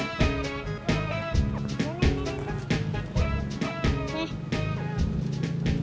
itu aku cuma empat ribu